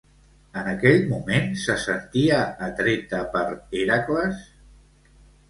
En aquell moment, se sentia atreta per Hèracles?